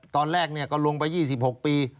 ตอนแรกก็ลงไป๒๖ปี